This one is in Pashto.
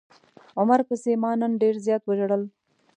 عمر پسې ما نن ډير زيات وژړل.